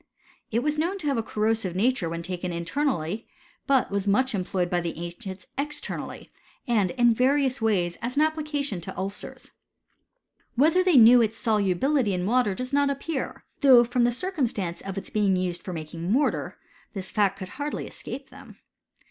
It was known to have a corrosive nature when taken in ternally ; but w^is much employed by the ancients ex ternally, and in various ways as an application to ulcers. Whether they knew its solubility in water ' does not appear ; though, from the circumstance of itfr beinjf used for making mortar, this fact could hardljr' escape them.